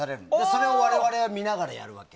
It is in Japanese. それを我々は見ながらやるわけ。